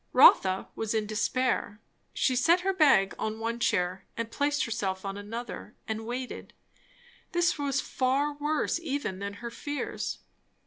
Rotha was in despair. She set her bag on one chair and placed herself on another, and waited. This was far worse even than her fears.